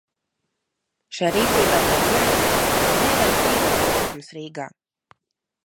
Šai rīcībai par iemeslu ir lielais dzīvokļu trūkums Rīgā.